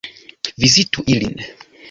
Vizitu ilin!